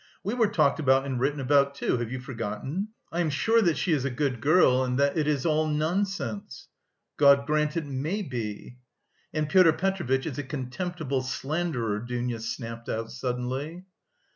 We were talked about and written about, too. Have you forgotten? I am sure that she is a good girl, and that it is all nonsense." "God grant it may be!" "And Pyotr Petrovitch is a contemptible slanderer," Dounia snapped out, suddenly.